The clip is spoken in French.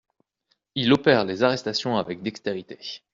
Il opère les arrestations avec dextérité.